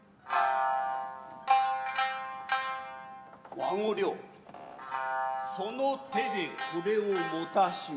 和御寮その手でこれを持たしめ。